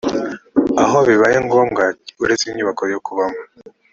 aho bibaye ngombwa uretse inyubako yo kubamo